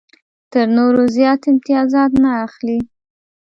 تر نورو زیات امتیازات نه اخلي.